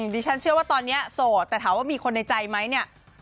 ดิฉันเชื่อว่าตอนนี้โสดแต่ถามว่ามีคนในใจไหมเนี่ย